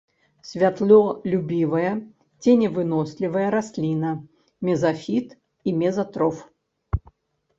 Святлолюбівая, ценевынослівая расліна, мезафіт і мезатроф.